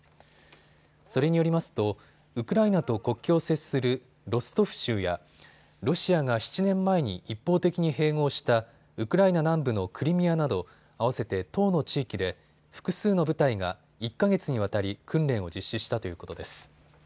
それによりますとウクライナと国境を接するロストフ州やロシアが７年前に一方的に併合したウクライナ南部のクリミアなど合わせて１０の地域で複数の部隊が１か月にわたり訓練を実施したということです。